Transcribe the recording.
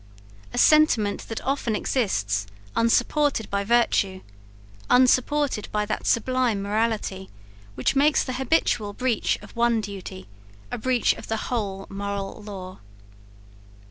A sentiment that often exists unsupported by virtue, unsupported by that sublime morality which makes the habitual breach of one duty a breach of the whole moral law.